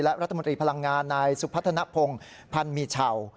และรัฐมนตรีพลังงานนายสุพัฒนภงพันธ์มีเฉา